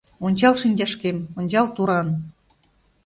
Ончал шинчашкем, ончал туран